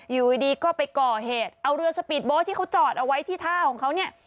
อยู่ดีก็ไปก่อเหตุเอาเรือสปีดโบ๊ทที่เขาจอดเอาไว้ที่ท่าของเขาเนี่ย